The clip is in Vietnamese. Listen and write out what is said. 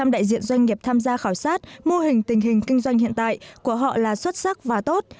bảy mươi một năm đại diện doanh nghiệp tham gia khảo sát mô hình tình hình kinh doanh hiện tại của họ là xuất sắc và tốt